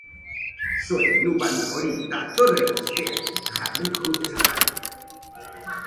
Soinu-banda hori datorrena stean jarriko dute salgai.